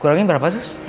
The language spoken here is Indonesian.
kurangnya berapa sus